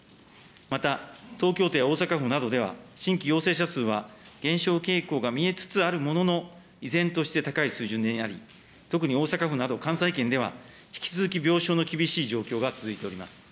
また、東京都や大阪府などでは、新規陽性者数は減少傾向が見えつつあるものの、依然として高い水準にあり、特に大阪府など、関西圏では、引き続き病床の厳しい状況が続いております。